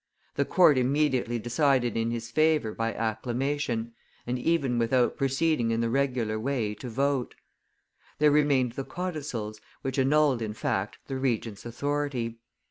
The court immediately decided in his favor by acclamation, and even without proceeding in the regular way to vote. There remained the codicils, which annulled in fact the Regent's authority.